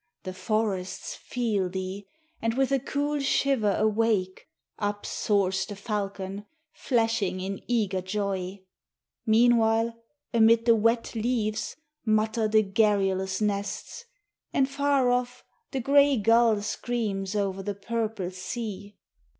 The forests feel thee, and with a cool shiver awake; Up soars the falcon, flashing in eager joy. Meanwhile amid the wet leaves mutter the garrulous nests, And far off the gray gull screams over the purple sea.